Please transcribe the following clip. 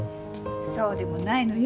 そうでもないのよ。